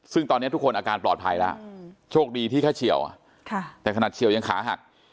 ซึ่งตอนนี้ทุกคนอาการปลอดภัยแล้วโชคดีที่แค่เฉียวแต่ขนาดเฉียวยังขาหัก